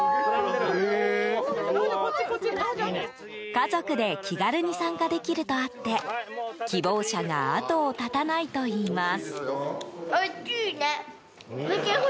家族で気軽に参加できるとあって希望者が後を絶たないといいます。